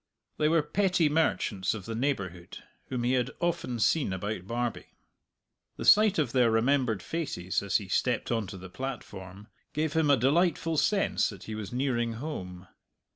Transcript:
They were petty merchants of the neighbourhood whom he had often seen about Barbie. The sight of their remembered faces as he stepped on to the platform gave him a delightful sense that he was nearing home.